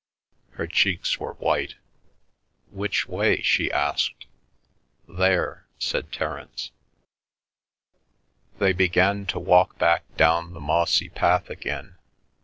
Her cheeks were white. "Which way?" she asked. "There," said Terence. They began to walk back down the mossy path again.